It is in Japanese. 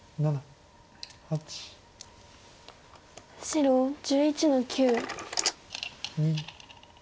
白１１の九。